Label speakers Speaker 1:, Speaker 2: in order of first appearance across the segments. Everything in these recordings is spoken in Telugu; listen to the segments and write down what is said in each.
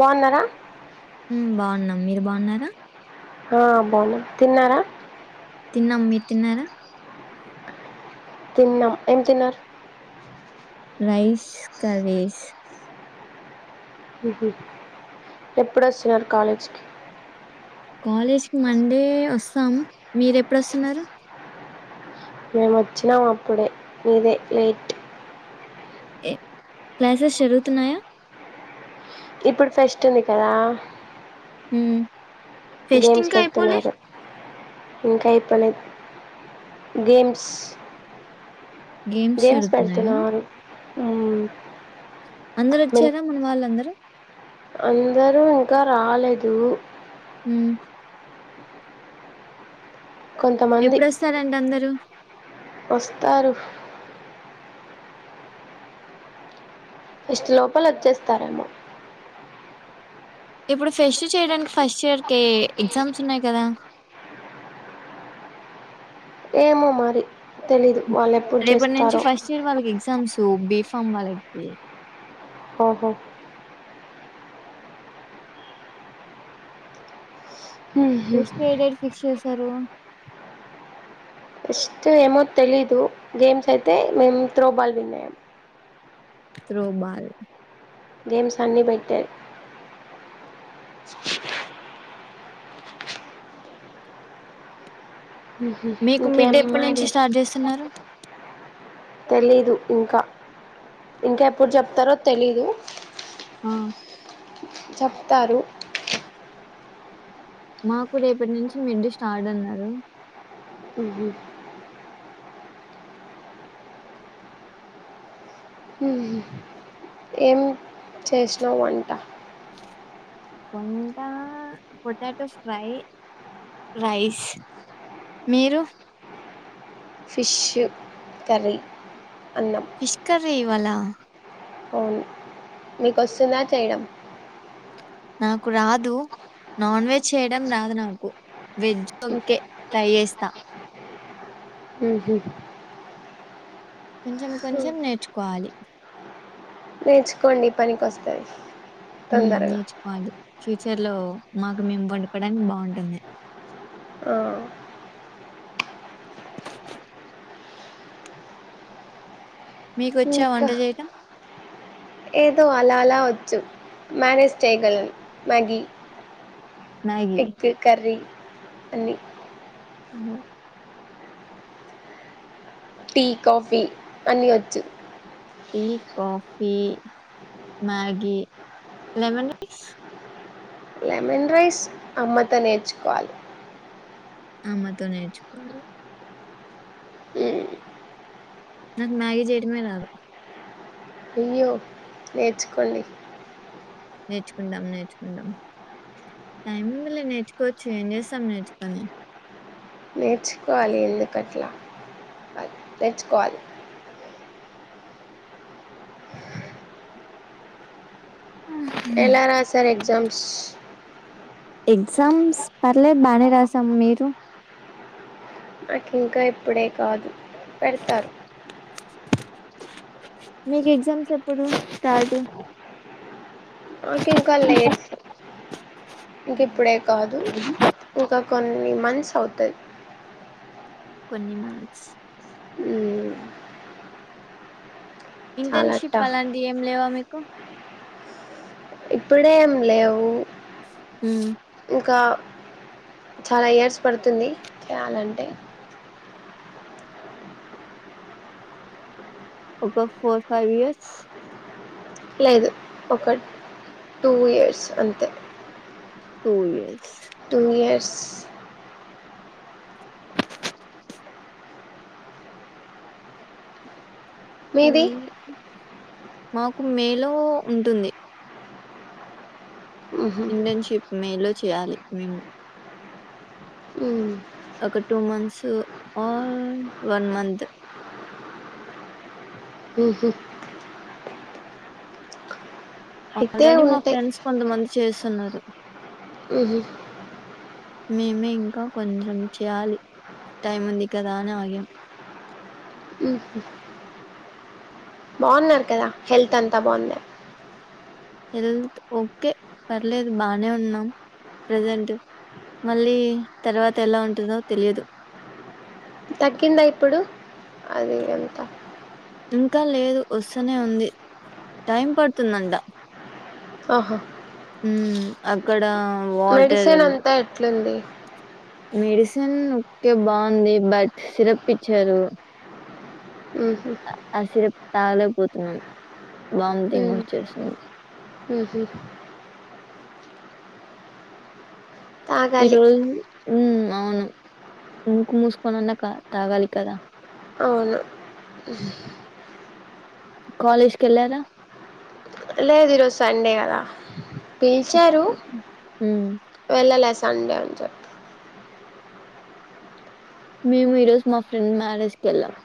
Speaker 1: బాగున్నారా
Speaker 2: హ్మ్మ్ బాగున్నాం మీరు బాగున్నారా
Speaker 1: ఆ బావున్నాం తిన్నారా
Speaker 2: తిన్నాం మీరు తిన్నారా
Speaker 1: తిన్నాం ఏం తిన్నారు
Speaker 2: రైస్ కర్రీస్
Speaker 1: ఎప్పుడొస్తున్నారు కాలేజీకి
Speaker 2: కాలేజ్కిమండే వస్తాం మీరెప్పుడొస్తున్నారు
Speaker 1: మేము వచ్చినాము అప్పుడే నీదే లేట్
Speaker 2: ఏ క్లాసెస్ జరుగుతున్నాయా
Speaker 1: ఇప్పుడు ఫెస్ట్ ఉంది కదా
Speaker 2: హ్మ్మ్
Speaker 1: గేమ్స్ పెడుతున్నారు ఇంకా ఇప్పలేదు గేమ్స్ గేమ్స్ పెడుతున్నారు హ్మ్మ్
Speaker 2: అందరు వచ్చారా మన వాళ్ళందరూ
Speaker 1: అందరూ ఇంకా రాలేదు
Speaker 2: హ్మ్మ్
Speaker 1: కొంతమంది
Speaker 2: ఎప్పుడొస్తారంట అందరుూ
Speaker 1: వస్తారు పెస్ట్ లోపల వచ్చేస్తారేమో
Speaker 2: ఇప్పుడు ఫెస్ట్ చేయడానికి ఫస్ట్ ఇయర్ కి ఎగ్జామ్స్ ఉన్నాయి కదా
Speaker 1: ఏమో మరి తెలీదు వాళ్ళు ఎప్పుడు
Speaker 2: రేపటి నుంచి
Speaker 1: చేస్తారో
Speaker 2: ఫస్ట్ ఇయర్ వాళ్ళకి ఎగ్జామ్స్ బి ఫామ్ వాళ్ళకి
Speaker 1: ఓహో
Speaker 2: పెస్ట్ ఏ డేట్ ఫిక్స్ చేసారు
Speaker 1: పెస్ట్ ఏమో తెలీదు గేమ్స్ అయితే మేము త్రో బాల్ విన్ అయ్యాం
Speaker 2: త్రో బాల్
Speaker 1: గేమ్స్ అన్ని పెట్టారు
Speaker 2: మీకు మిడ్
Speaker 1: ఇంకేమ్
Speaker 2: ఎప్పటి
Speaker 1: మాది
Speaker 2: నుంచి స్టార్ట్ చేస్తున్నారు?
Speaker 1: తెలీదు ఇంకా ఇంకా ఎప్పుడు చెప్తారో తెలీదు
Speaker 2: ఆ
Speaker 1: చెప్తారు
Speaker 2: మాకు రేపటి నుంచి మిడ్డ్ స్టార్ట్ అన్నారు
Speaker 1: ఉ ఏమ్ చేసినావు వంటా
Speaker 2: కొండ పొటాటో ఫ్రై రైస్ మీరు
Speaker 1: ఫిషు కర్రీ అన్నం
Speaker 2: ఫిష్ కర్రీ ఇవాళ
Speaker 1: అవును మీకు వస్తుఉందా చేయడం
Speaker 2: నాకు రాదు నాన్ వెజ్ చేయడం రాదు నాకు వెజ్ బకే ట్రై చేస్తా
Speaker 1: ఉహు
Speaker 2: కొంచెం కొంచెం నేర్చుకోవాలి
Speaker 1: నేర్చుకోండి పనికి వస్తాయి
Speaker 2: మ్ నేర్చుకోవాలి చీట్ ఫ్యచర్ లో మాకు మేము వండుకోడానికి బావుంటుంది
Speaker 1: ఆ,
Speaker 2: మీకు వచ్చా
Speaker 1: ఇంకా
Speaker 2: వంట చేయటం
Speaker 1: ఏదో అలా అలా వచ్చు మేనేజ్ చేయగలను మ్యాగీ
Speaker 2: మ్యాగీ
Speaker 1: ఎగ్ కర్రీ అన్నీ
Speaker 2: మ్మ్ ఆ
Speaker 1: టీ కాఫీ అన్నిీ వచ్చు
Speaker 2: tea coffee Maggi lemon rice
Speaker 1: lemon rice అమ్మతో నేర్చుకోవాలి
Speaker 2: అమ్మతో నేర్చుకోవాలి
Speaker 1: మ్మ్.
Speaker 2: నాకు మ్యాగీ చేయటమే రాదు
Speaker 1: అయ్యో నేర్చుకోండి
Speaker 2: నేర్చుకుందామ్ నేర్చుకుందామ్ టైమ్ ఉందిలే నేర్చుకోవచ్చు ఎమ్ చేస్తాం నేర్చుకొని
Speaker 1: నేర్చుకోవాలి ఎందుకట్లా అ నేర్చుకోవాలి ఎలా రాశ్వారు ఎగ్జామ్స్
Speaker 2: ఎగ్జామ్స్ పర్లేదు బాగానే రాసాం మీరు
Speaker 1: నాకు ఇంకా ఇప్పుడే కాదు పెడ్ తారు
Speaker 2: మీకు ఎగ్జామ్స్ ఎప్పుడు స్టార్ట్
Speaker 1: ఇంకి ఇప్పుడే కాదు ఇంకా కొన్ని మన్స్స్ అవుతాయి
Speaker 2: కొన్ని మన్స్
Speaker 1: మ్మ్. చాలా
Speaker 2: ఇంటర్న్షిప్
Speaker 1: టఫ్
Speaker 2: అలాంటి ఏమ్ లేవా మీకు
Speaker 1: ఇప్పుడే ఏమ్ లేవు
Speaker 2: మ్మ్
Speaker 1: ఇంకా చాలా ఇయర్స్ పడుతుఉంది త్యాల్ అంటే
Speaker 2: ఒక ఫోర్ ఫైవ్ ఇయర్స్
Speaker 1: లేదు ఒక టూ ఇయర్స్ అంతే
Speaker 2: two years
Speaker 1: two years
Speaker 2: two
Speaker 1: మీది
Speaker 2: మాకు మే లో ఉంటుఉంది
Speaker 1: మ్హూ.
Speaker 2: ఇంటర్న్షిప్ మె లో చేయాలి మ్
Speaker 1: ఉ
Speaker 2: ఒక two months or one month
Speaker 1: ఉ హు అయితే
Speaker 2: ఆల్రెడీ మా
Speaker 1: ఉంటాయి
Speaker 2: ఫ్రెండ్స్ కొంతమంది చేస్తన్నారు.
Speaker 1: ఉహు
Speaker 2: మేమే ఇంకా కొంచెం చేయాలి టైమ్ ఉంది కదా అని ఆగ్యం.
Speaker 1: ఉ హు బాగున్నారు కదా హెల్త్ అంతా బాగుంద
Speaker 2: హెల్త్ ఓకే పర్లేదు బానే ఉన్నాం ప్రజెంట్ మళ్ళీ తర్వాత ఎలా ఉంటుందో తెలిదు
Speaker 1: తగ్గిందా ఇప్పుడు అది ఎంత
Speaker 2: ఇంకా లేదు వస్తూనే ఉంది టైమ్ పడుతుందంట
Speaker 1: ఆహా
Speaker 2: ఉ అక్కడ వాటర్
Speaker 1: మెడిసినంతా ఎట్లుంది
Speaker 2: మెడిసిన్ ఓకే బాగుంది బట్ సిరప్ ఇచ్చారు
Speaker 1: ఉహు
Speaker 2: ఆ సిరప్ తాగలేకపోతున్నాం వామిటింగ్ వచ్చేస్తది
Speaker 1: ఉహు
Speaker 2: ఈ
Speaker 1: తాగాలి
Speaker 2: రోజు
Speaker 1: [inaudible]
Speaker 2: ముక్కుమూసుకోనన్న తా తాగాలి కదా
Speaker 1: అవును
Speaker 2: కాలేజ్ కి యెళ్ళారా
Speaker 1: లేదు ఈరోజు సండే కదా పిల్చారు
Speaker 2: ఉమ్,
Speaker 1: వెళ్ళలా అస్ సండే అనిచెప్తా
Speaker 2: మేము ఈ రోజు మా ఫ్రెండ్ మ్యారేజ్కి వెళ్ళామ్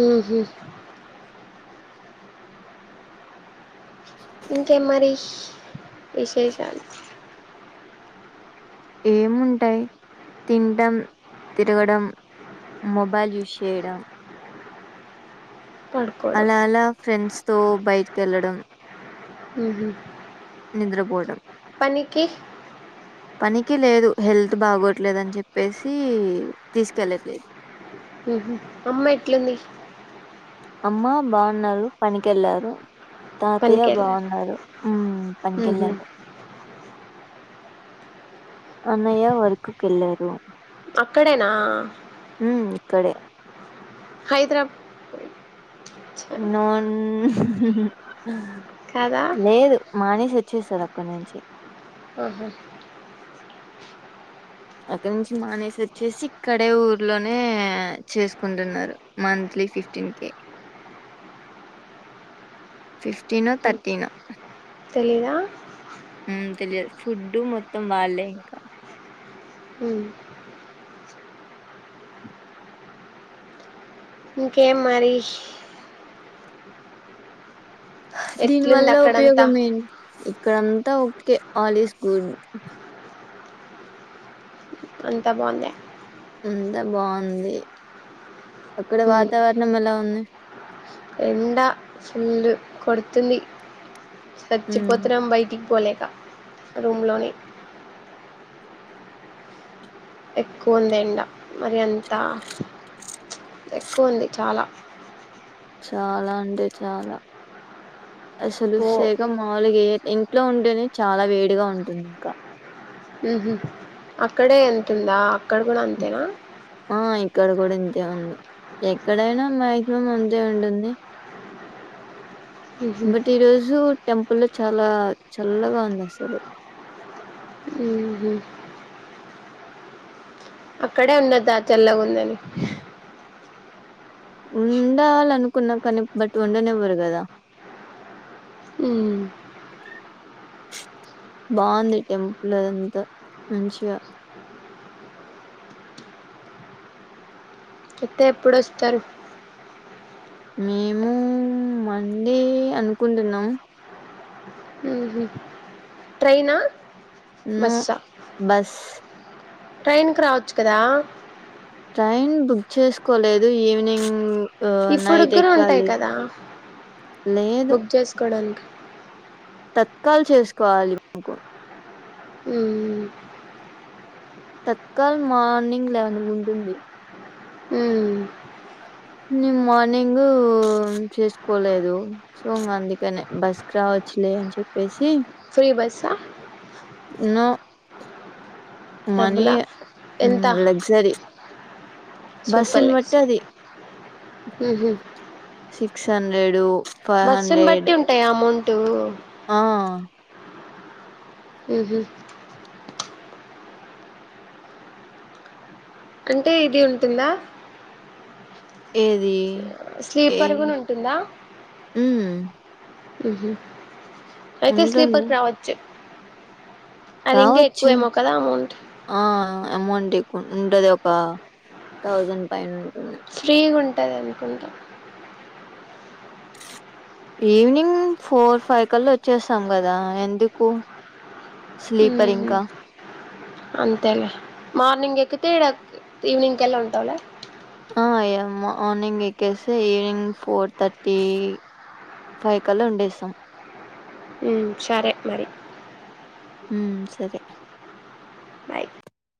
Speaker 1: ఉహు ఇంకే మరి ఇస్ విశేషాలు
Speaker 2: ఏముంటాయ్ తిండ్డం తిరగడం మొబైల్ యూస్ చేయడం
Speaker 1: పడుకోవడం
Speaker 2: అలా అలా ఫ్రెండ్స్ తో బయటకి వెళ్ళడం
Speaker 1: ఉహు
Speaker 2: నిద్రపోడం
Speaker 1: పనికి
Speaker 2: పనికి లేదు హెల్త్ బాగోట్లేదని చెప్పేసి తీసుకెళ్ళట్లేదు.
Speaker 1: ఉహు అమ్మ ఎట్లుంది
Speaker 2: అమ్మా బాగున్నారు పనికెళ్ళారు తాతయ్య
Speaker 1: పనికి వెళ్ళాలి
Speaker 2: బాన్నారు ఉ పనికి
Speaker 1: ఉహు.
Speaker 2: కెళ్లాడు. అన్నయ్య వర్క్ కి వెళ్ళారు
Speaker 1: ఒక్కడేనా
Speaker 2: ఉ ఇక్కడే
Speaker 1: హైద్రా ప్
Speaker 2: నొ న్
Speaker 1: కాదా
Speaker 2: లేదు మానేసర్ వచ్చేస్తారు అక్కనుంచి
Speaker 1: ఓహో
Speaker 2: అక్కడ నుంచి మానేసి వచ్చేసి ఇక్కడే ఊర్లోనే చేసుకుంటున్నారు మంత్ లి ఫిఫ్టీన్ కె
Speaker 1: [inaudible]
Speaker 2: ఫిఫ్టీనో థర్టీనో
Speaker 1: తెలిదా
Speaker 2: ఉమ్ తెలియదు ఫుడ్డు మొత్తం వాళ్ళే ఇంకా
Speaker 1: ఉమ్. ఇంకేం మరి
Speaker 2: దీని
Speaker 1: ఎట్లుంది
Speaker 2: వల్ల
Speaker 1: అక్కడంతా
Speaker 2: ఉపయోగం ఎ ఇక్కడంతా ఓకే ఆల్ ఇస్ గుడ్
Speaker 1: అంతా బాగుందా
Speaker 2: అంతా బాగుంది అక్కడ వాతావరణం ఎలా ఉంది
Speaker 1: ఎండా ఫుల్ కొడుతుంది
Speaker 2: మ్మ్
Speaker 1: చచ్చిపోతున్నాం బయటికి పోలేక రూమ్ లోనే ఎక్కువ ఉంది ఎంండ మరి అంతా ఎక్కువ ఉంది చాలా
Speaker 2: చాలా అంటే చాలా అసలు
Speaker 1: పో
Speaker 2: సేగం మామూల్ గే ఇంట్లో ఉంటేనే చాలా వేడిగా ఉంటుంది ఇంకా
Speaker 1: ఉమ్ హ్మ్ అక్కడే ఎంతుందా అక్కడ కూడా అంతేనా
Speaker 2: ఆ ఇక్కడ కూడా ఇంతే ఉంది ఎక్కడైనా మాక్సిమం అంతే ఉంటుంది బట్ ఈ రోజు టెంపుల్ చాలా చల్లగా ఉంది అసలు
Speaker 1: ఉమ్ హ్మ్ అక్కడే ఉండదా చల్లగా ఉందని
Speaker 2: ఉండాలనుకున్న కానీ బట్ ఉండనేవారు కదా
Speaker 1: ఉమ్
Speaker 2: బాగుంది టెంపుల్దంతా మంచిగా
Speaker 1: అతే ఎప్పుడుొస్తారు
Speaker 2: మేము మండే అనుకుంటున్నాం
Speaker 1: ట్రైన్ ఆ
Speaker 2: నో బస్
Speaker 1: ట్రైన్కి రావచ్చు కదా
Speaker 2: ట్రైన్ బుక్ చేసుకోలేదు ఈవినింగ్ ఆ
Speaker 1: ఇప్పుడు
Speaker 2: నైట్
Speaker 1: కూడా ఉంటాయి
Speaker 2: ఎక్కాలి
Speaker 1: కదా
Speaker 2: లేదు
Speaker 1: బుక్ చేసుకోడానికి
Speaker 2: తత్కాల్ చేసుకోవాలి [inaudible]
Speaker 1: ఉమ్
Speaker 2: తత్కాల మార్నింగ్ లవన్ కి ఉంటుంది
Speaker 1: ఉమ్
Speaker 2: నేను మార్నింగ్ చేసుకోలేదు సో అందుకనే బస్ కి రావచ్ లే అని చెప్పేసి
Speaker 1: ఫ్రీ బస్ ఆ
Speaker 2: నో మనీ
Speaker 1: డబ్బులా
Speaker 2: ఉమ్
Speaker 1: ఎంత
Speaker 2: లగ్జరి
Speaker 1: సూపర్
Speaker 2: బస్సునీ బట్టి
Speaker 1: లక్స్
Speaker 2: అది
Speaker 1: ఉహు
Speaker 2: సిక్స్ హండ్రెడు ఫైవ్
Speaker 1: బస్సుని
Speaker 2: హండ్రెడ్
Speaker 1: బట్టి ఉంటాయా అమౌంట్
Speaker 2: ఆ
Speaker 1: ఉమ్ హ్మ్ అంటే ఇది ఉంటుందా
Speaker 2: ఏది ఏ
Speaker 1: స్లీపర్ కూడా ఉంటుందా
Speaker 2: ఉమ్
Speaker 1: ఉమ్ హ్మ్ అయితే
Speaker 2: ఉంటుంది.
Speaker 1: స్లీపర్స్ రావచ్చు అది ఇంకా
Speaker 2: రావచ్చు
Speaker 1: ఎక్కువేమో కదా అమౌంట్
Speaker 2: ఆ అమౌంట్ ఎక్కువ ఉం ఉంటది ఒక థౌజండ్ పైన ఉంటుంది
Speaker 1: ఫ్రీగా ఉంటుంది అనుకుంటా
Speaker 2: ఈవినింగ్ ఫోర్ ఫైవ్ కలా వచ్చేస్తాం కదా ఎందుకు స్లీపర్
Speaker 1: ఉహు
Speaker 2: ఇంకా
Speaker 1: అంతేలే మార్నింగ్ ఎకితేేడా ఈవినింగ్కెళ్లా ఉంటావ్లె
Speaker 2: ఆ ఎమార్నింగ్ ఎక్కేసె ఈనింగ్ ఫోర్ థర్టీ వైకల్ల ఉండేసం
Speaker 1: మ్ సరే మరి
Speaker 2: మ్ సరే
Speaker 1: బాయ్